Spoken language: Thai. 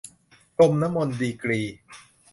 พรมน้ำมนต์ ดีกรี